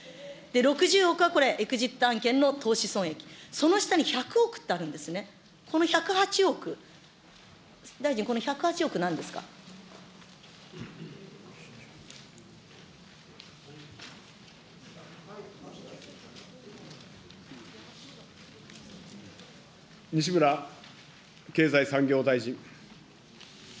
６０億はこれ、エグジット案件の投資損益、その下に１００億ってあるんですね、この１０８億、大臣、この１西村経済産業大臣。